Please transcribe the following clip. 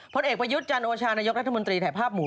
ผลเอกประยุทธ์จันโอชานายกรัฐมนตรีถ่ายภาพหมู่